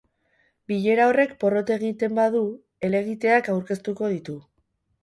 Bilera horrek porrot egiten badu, helegiteak aurkeztuko ditu.